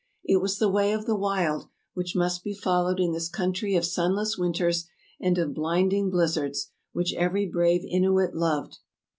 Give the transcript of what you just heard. It was the way of the wild, which must be followed in this country of sunless winters and of blinding bliz zards, which every brave Inuit loved.